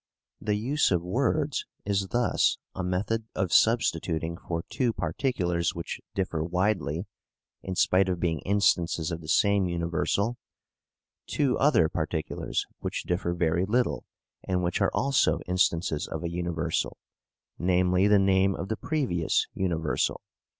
The use of words is thus a method of substituting for two particulars which differ widely, in spite of being instances of the same universal, two other particulars which differ very little, and which are also instances of a universal, namely the name of the previous universal.